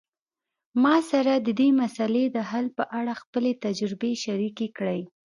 ما سره د دې مسئلې د حل په اړه خپلي تجربي شریکي کړئ